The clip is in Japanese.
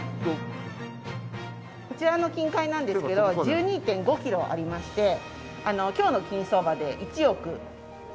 こちらの金塊なんですけど１２．５キロありまして今日の金相場で１億９００万。